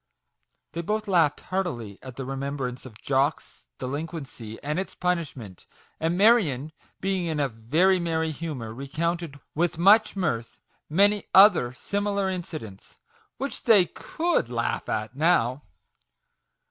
They both laughed heartily at the remem brance of Jock's delinquency and its punish ment; and Marion being in a very merry humour, recounted with much mirth many MAGIC WORDS. 25 other similar incidents, which they could laugh at now.